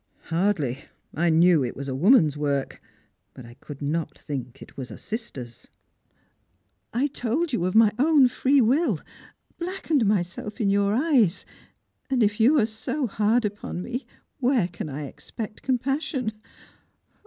" Hardly. I knew it was a woman's work, but I could not think it was a sister's." " I told you of my own free will, blackened myyelf in your eyes, and if you are so hard upon me, where can I exjject com passion